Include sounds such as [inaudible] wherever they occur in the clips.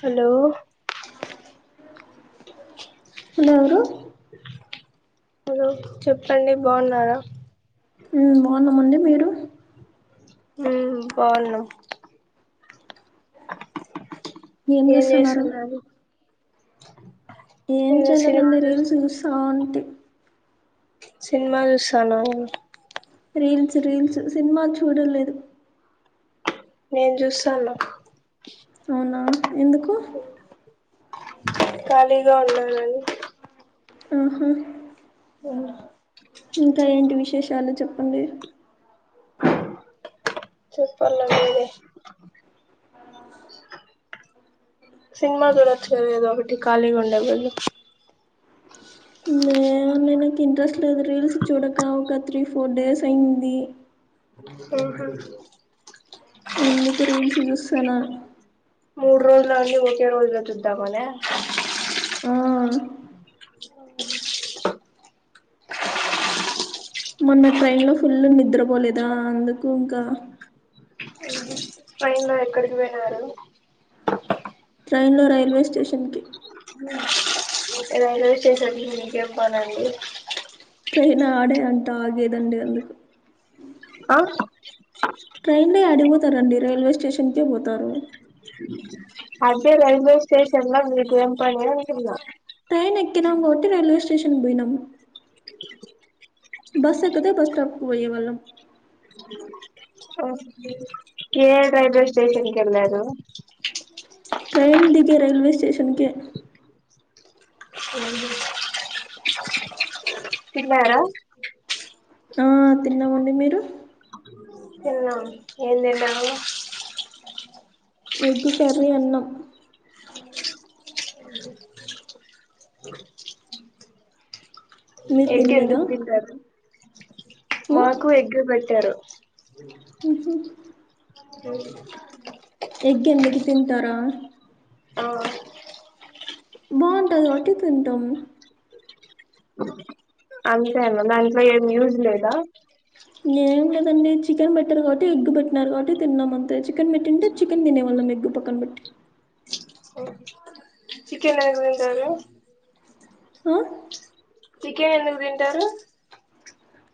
Hello! Hello! ఎవరు? Hello! చెప్పండి బాగున్నారా? ఉమ్ బాగున్నమండి మీరు ఉమ్ బాగున్నం ఏం చేస్తున్నరు ఏం చేయలేదండి రీల్స్ చూస్తాఉంటి సినిమా చూస్తాన్నవా రీల్స్ రీల్స్ సినిమా చూడలేదు నేను చూస్తాన్న అవునా ఎందుకు ఖాళీగా ఉండాలని. ఆహా ఓ ఇంకా ఏంటి విశేషాలు చెప్పండి చెప్పాలండి మీరే సినిమా చూడొచ్చు కదా ఏదో ఒకటి ఖాళీగా ఉండే బదులు నేనేమన్న ఇంట్రెస్ట్ లేదు రీల్స్ చూడక ఒక త్రీ ఫోర్ డేస్ అయింది ఉహు అందుకు రీల్స్ చూస్తానా అన్నీ ఒకే రోజులో చూద్దామనా ఆ మొన్న ట్రైన్ లో ఫుల్ నిద్రపోలేదా అందుకు ఇంకా ట్రైన్ లో ఎక్కడికి పోయినారు ట్రైన్ లో రైల్వే స్టేషన్ కి రైల్వే స్టేషన్కి మీకేం పనండి ట్రైన్ ఆడే అంటా ఆగేదండి అందుకు ఆ రండి రైల్వే స్టేషన్కే పోతారు అదే రైల్వే స్టేషన్లా మీకేం పని అంటున్నా ట్రైన్ ఎక్కినం కాబట్టి రైల్వే స్టేషన్కి పోయినాం బస్సు ఎక్కితే బస్ స్టాప్కు పోయేవాళ్ళం ఏ రైల్వే స్టేషన్కి వెళ్లారు షన్కే తిన్నారా ఆ తిన్నమండి మీరు తిన్నాం ఏం తిన్నరు ఎగ్ కర్రీ అన్నం మీరు ఎగ్గు తినలేదా ఎందుకు తింటరు మాకు ఎగ్గు పెట్టారు ఊహు అ ఎగ్ ఎందుకు తింటరా ఆ బాగుంటది కాబట్టి తింటము అంతేన దాంట్లో ఏం యూజ్ లేదా దాన్ని చికెన్ పెట్టరు కాబట్టి ఎగ్ పెట్టారు కాబట్టి తిన్నాం అంతే చికెన్ పెట్టుంటే చికెన్ తినేవాళ్ళం ఎగ్ పక్కన పెట్టి చికెన్ ఎందుకు తింటరు ఆ చికెన్ ఎందుకు తింటరు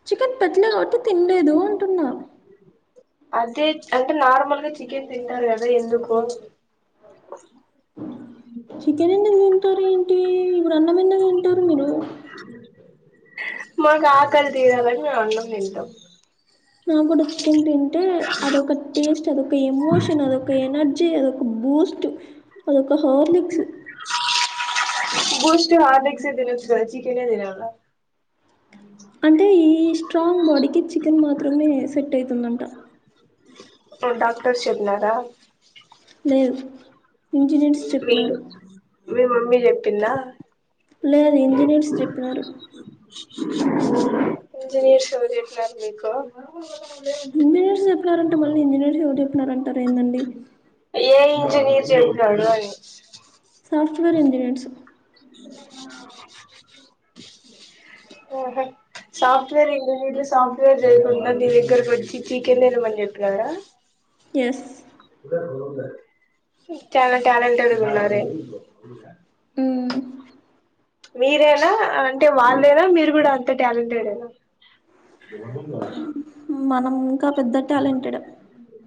చికెన్ పెట్టలే కాబట్టి తినలేదు అంటున్నా అదే అంటే నార్మల్గా చికెన్ తింటారు కదా ఎందుకు చికెన్ ఎందుకు తింటారు ఏంటి ఇప్పుడు అన్నం ఎందుకు తింటారు మీరు మాకు ఆకలి తీరాలని మేము అన్నం తింటాం నాక్కూడా చికెన్ తింటే అదొక టేస్ట్ అదొక ఎమోషన్ అదొక ఎనర్జీ అదొ బూస్ట్ అదొక హార్లిక్స్ బూస్ట్, హార్లిక్సే తినొచ్చు కద చికెనే తినాల అంటే ఈ స్ట్రాంగ్ బాడీకి చికెన్ మాత్రమే సెట్ అయితుందంట డాక్టర్స్ చెప్పినా రా లేదు ఇంజనీర్స్ మీ చెప్పినారు మీ మమ్మీ చెప్పిందా లేదు ఇంజనీర్స్ చెప్పినారు ఇంజినీర్స్ ఎవరు చెప్పినారు మీకు ఇంజినీర్స్ చెప్పినారంటే మళ్లీ ఇంజనీర్స్ ఎవరు చెప్పినారం ఏ ఇంజనిర్ చెప్పినాడు అని సాఫ్ట్వేర్ ఇంజనీర్స్ ఊహు సాఫ్ట్వేర్ ఇంజనీర్లు సాఫ్ట్వేర్ చేయకుండా నీ దగ్గరకి వచ్చి చికెన్ తినమని చెప్పినారా ఎస్ చాలా ట్యాలెంట్డ్ ఉన్నారే హ్మ్ మీరేనా అంటే వాళ్ళేనా మీరు కూడా అంత టాలెంటెడేనా ఎంద మనం ఇంకా పెద్ద టాలెంటెడ్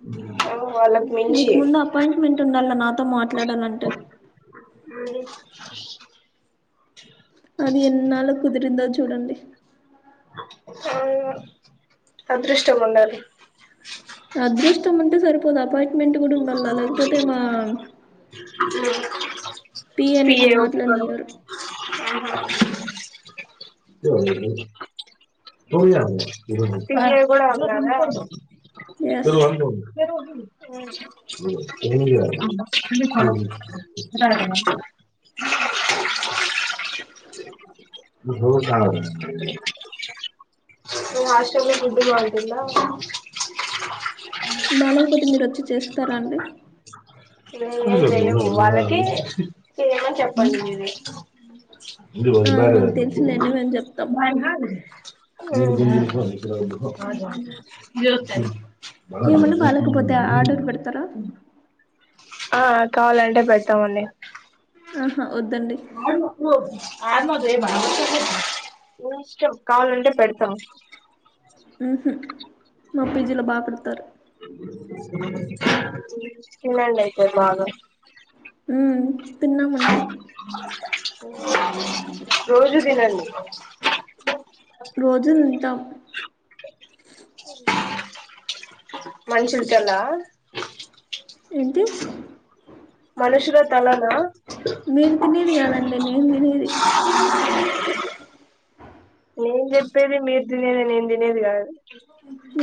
[inaudible] వాళ్ళకు మించి మీకు [inaudible] ముందు అపాయింట్మెంట్ ఉండాల నాతో మాట్లాడాలంటే అది ఎన్నాళ్ళకు కుదిరిందో చూడండి ఆ అదృష్టం ఉండాలి ఇంత ముందు సరిపోదా బట్ పిఏ పే నిన్ను ఒ మాట్లాడనియ్యరు ఆహా పిల్లలు కూడా ఉన్నారా ఎస్ [unintelligible] [unintelligible] బ క మీ హాస్టల్లో ఫుడ్ బావుంటుందా బాలేకపోతే మీరు వచ్చి చేస్తారా అండి నేనేం చేయను వాళ్ళకి చేయమని చెప్పండి మీరే ఆ మాకు తెలుసులేండి మేము చెప్తాం [unintelligible] [unintelligible] ఏమన్నా బాలేకపోతే ఆర్డర్ పెడతారా ఆ కావాలంటే పెడతామండి ఆహా వద్దండి ఆడు అబ్బో మీ ఇష్టం కావాలంటే పెడతాం ఉహు మా పీజీ లో బా పెడతారు తినండైతే బాగా ఉమ్ తిన్నామండి [inaudible] రోజు దినండి రోజులుంటాం మనుషూలు కల్ల ఏంటి మనుషూల తలనా ఇది దినేది నేను తినేది కాదు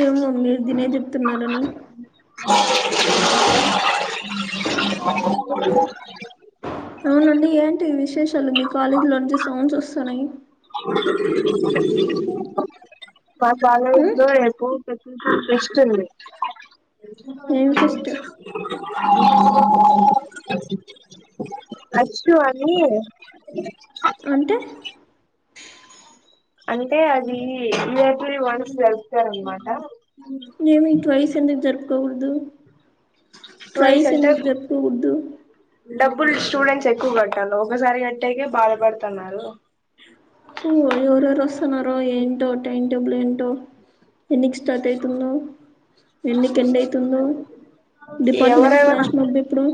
ఏమో మీరు దినే చెప్తున్నారని [inaudible] అవునండి ఏంటి విశేషాలు మీ కాలేజీలో నుంచి సౌండ్స్ వస్తున్నాయి మా ఉమ్, కాలేజీలో ఎక్కువ ఫె ట్విస్టుంది ఏం ఆ ఫెస్ట్ అచ్చు అని అంటే అంటే అది ఇయర్లీ వన్స్ జరుపుతారాన్మాట మేమి ఈ ట్వైస్ ఎందుకు జరుపుకోకూడదు ట్వైస్ ఎందుకు జరుపుకోకూడదు డబ్బులు స్టూడెంట్స్ ఎక్కువ కట్టాల ఒకసారి కట్టేకే బాధపడుతున్నారు ఓ ఎవరెవరు వస్తన్నారో ఏంటో టైమ్ టేబుల్ ఏంటో ఎన్నికి స్టార్ట్ అయితుందో ఎన్నికి ఎండ్ అయితుందో డిపార్ట్మెంట్ ఎవరెవరు ఫ్లాష్ మబ్ మేప్పుడు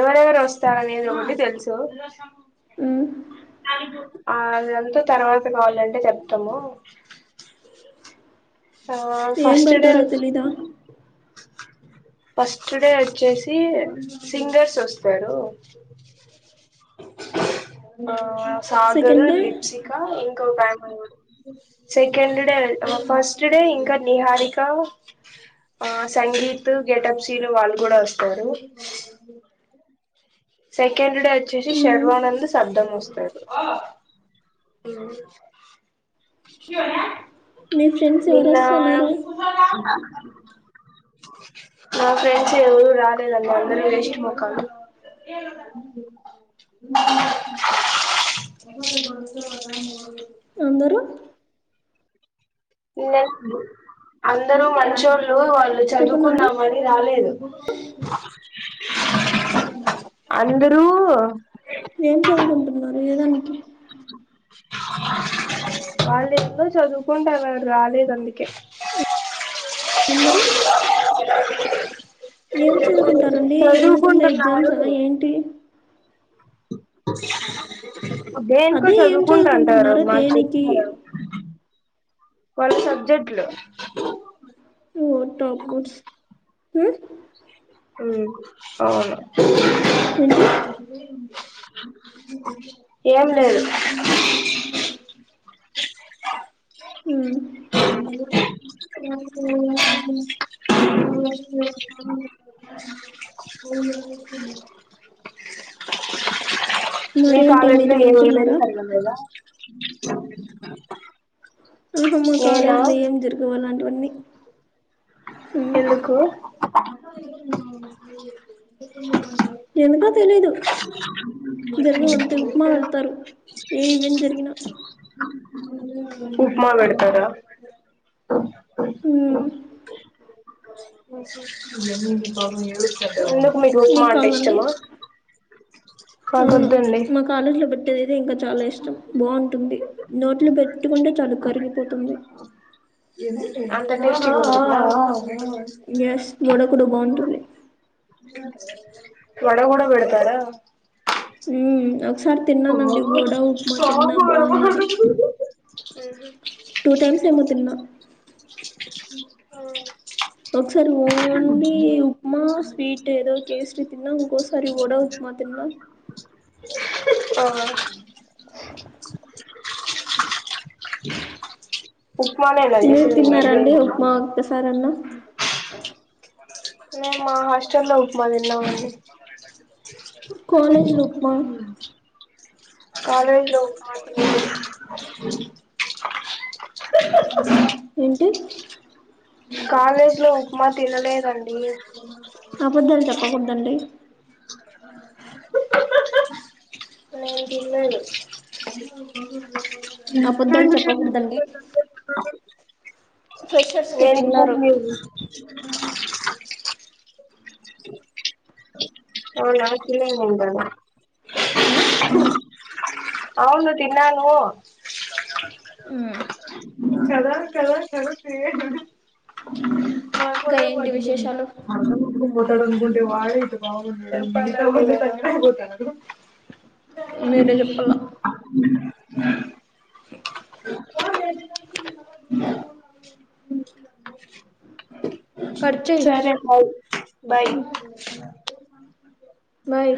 ఎవరెవరు వస్తాన నిధుండి తెలుసు ఉ ఆ అదంతా తర్వాత కావాలంటే చెప్తాము ఆ ఏం ఫస్ట్ డే పెడతారో వచ్ తెలీదా ఫస్ట్ డే వచ్చేసి సింగర్స్ వస్తారు నా సాగర్ సెకండ్ డే లిప్సికా ఇంకో బ్యాడ్మెన్ కూడ second day first first day ఇంక నిహారిక ఆ సంగీత్ గెటప్ సీను వాళ్ళు కూడా వస్తారు సెకండ్ డే వచ్చేసి ఉమ్, షర్వానంద్ శబ్దం వస్తారు ఉ మీ ఫ్రెండ్స్ ఎవరు నిన్న వస్తున్నారు నా ఫ్రెండ్స్ ఎవరు రాలేదన్న అందరు వేస్ట్ మొఖాలు ఆ అద అందరు అందరూ మంచోల్లు వాళ్ళు వాళ్ళు చెప్పండి అందరూ చదువుకుందామని రాలేదు అందరు ఏం చదువుకుంటున్నారు ఏదానికి అ వాళ్ళు ఏందో చదువుకుంటానారు రాలేదు అందుకే అందరు ఏం చదువుకుంటారండి ఏముంటుంద ఎగ్జామ్స చదువుకుంటున్నారు ఏంటి య దేనికో అదే ఏం చదువుకుంటంటారు చదువుకుంటున్నారు మాకు దేనికి చెప్తరా వాళ్ళ సబ్జెక్ట్లు ఓ టాపర్స్ హు ఉ అవును ఏంటి ఏం లేదు ఉ మ అ మీ మరేంటి మీరు కాలజలో ఏను వెళ్తున్నారా ఈవెంట్స్ జాగడం లేదా ఆహమ్ మా కాలేజీలో ఏం జరుగవాలలాంటివన్నీ ఎందుకు ఎందుకో తెలీదు జరగ అంతే ఉప్మా పెడతారు ఏ ఇవం జరిగినా ఉప్మా వెడతారా ఉమ్ ఎందుకు మీకు ఉప్మా అంటే ఇష్టమా అవును మాకొద్దండి మా కాలేజీ లో పెట్టేదితే ఇంకా చాలా ఇష్టం బాగుంటుంది నోట్లు పెట్ ఇకంట చలుకురంగపోతుమే [unintelligible] ఎస్ గోడకుడు బాగుంటుంది వడ కూడా బడతారా ఉ హో బాగున్నది [unintelligible] టూ టైమ్స్ ఏమో తిన్నా ఆ ఒకసారి ఓన్లీ ఉప్మా స్వీట్ ఏదో కేస్రి తిన్నా ఒకసారి ఓడ ఉప్మా తిన్నా అవునా ఆ ఉప్మా నే కదా మీరు ఏసిది తిన్నారండి ఉప్మా ఒక్కసారన్నా నే మా హాస్టెల్ లో ఉప్పమా దిన్నా కాలేజులో ఉప్పమా కాలజ లో ఉప్పమా ఏంటి కాలేజ్ లో ఉప్మా తినలేదండి అపద్దాలు చెప్పకూద్దండి ఆ నేను తినలేదు ఆ అబద్ధాలు చెప్పకూడదండి ఫ్రెషర్స్ కి తిన్నారు ఎండిపోయేండేడు అవునా తినేమంటారు మ్మ్ అవును తిన్నాను మ్మ్ కదా కద ఇంకా ఏంటి విశేషాలు [unintelligible] మొట్డంద గుంటే వాడ బ [unintelligible] మీరే చెప్పలా ఆ ఆ కట్ చేయి సరే భాయి బాయ్ బాయ్